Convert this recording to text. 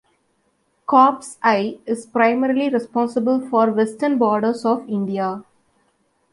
Corps I is primarily responsible for western borders of India.